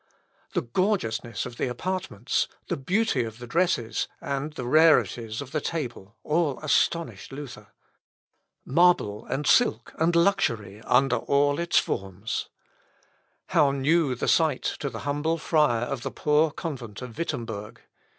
The gorgeousness of the apartments, the beauty of the dresses, and the rarities of the table, all astonished Luther. Marble and silk, and luxury under all its forms! How new the sight to the humble friar of the poor convent of Wittemberg!